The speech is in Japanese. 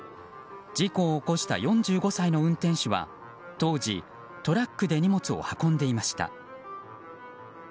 事故を起こした４５歳の運転手は当時、トラックで荷物を運んでいました。